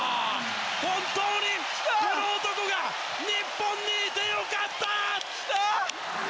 本当にこの男が日本にいて良かった！